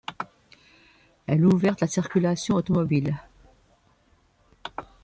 Elle ouverte la circulation automobile.